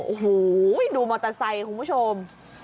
โอ้โหดูมอเตอร์ไซค์คุณผู้ชม